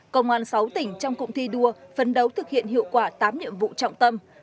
công an sáu tỉnh trong cụm thi đua phấn đấu thực hiện hiệu quả tám nhiệm vụ trọng tâm